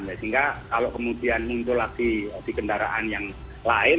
sehingga kalau kemudian muncul lagi di kendaraan yang lain